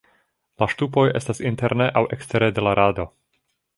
La ŝtupoj estas interne aŭ ekstere de la rado.